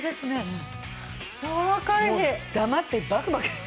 もう黙ってバクバク。